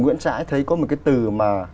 nguyễn trãi thấy có một cái từ mà